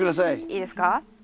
いいですか。